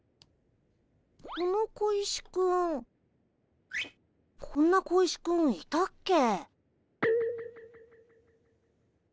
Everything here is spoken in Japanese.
この小石くんこんな小石くんいたっけ？